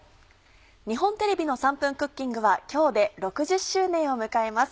日本テレビの『３分クッキング』は今日で６０周年を迎えます。